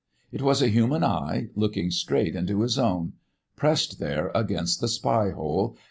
It was a human eye, looking straight into his own, pressed there against the spy hole.